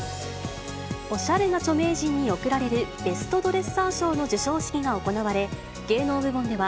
おしゃれな著名人に贈られるベストドレッサー賞の授賞式が行われ、芸能部門では、